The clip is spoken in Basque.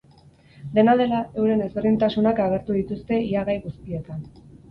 Dena dela, euren ezberdintasunak agertu dituzte ia gai guztietan.